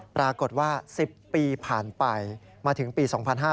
ปรากฏว่า๑๐ปีผ่านไปมาถึงปี๒๕๕๙